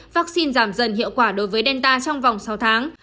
vaccine giảm dần hiệu quả đối với delta trong vòng sáu tháng